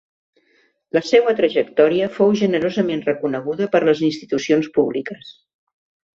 La seua trajectòria fou generosament reconeguda per les institucions públiques.